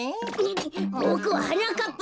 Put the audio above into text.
ボクははなかっぱだよ。